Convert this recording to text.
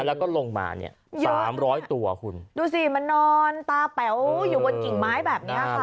แล้วก็ลงมาเนี่ยสามร้อยตัวคุณดูสิมันนอนตาแป๋วอยู่บนกิ่งไม้แบบเนี้ยค่ะ